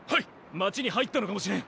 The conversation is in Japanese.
街に入ったのかもしれん。